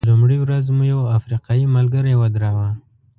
په لومړۍ ورځ مو یو افریقایي ملګری ودراوه.